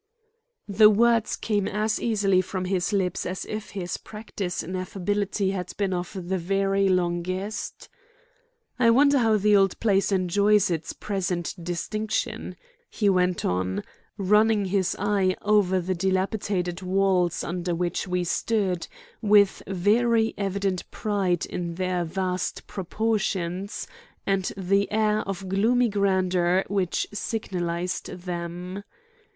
The words came as easily from his lips as if his practice in affability had been of the very longest. "I wonder how the old place enjoys its present distinction," he went on, running his eye over the dilapidated walls under which we stood, with very evident pride in their vast proportions and the air of gloomy grandeur which signalized them.